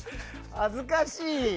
恥ずかしい。